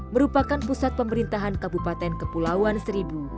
merupakan pusat pemerintahan kabupaten kepulauan seribu